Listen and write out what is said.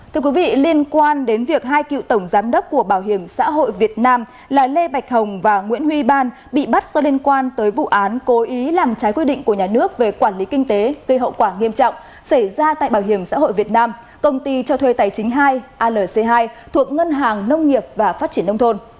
thưa quý vị liên quan đến việc hai cựu tổng giám đốc của bảo hiểm xã hội việt nam là lê bạch hồng và nguyễn huy ban bị bắt do liên quan tới vụ án cố ý làm trái quy định của nhà nước về quản lý kinh tế gây hậu quả nghiêm trọng xảy ra tại bảo hiểm xã hội việt nam công ty cho thuê tài chính hai alc hai thuộc ngân hàng nông nghiệp và phát triển nông thôn